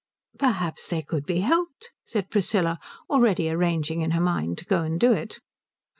"Perhaps they could be helped," said Priscilla, already arranging in her mind to go and do it.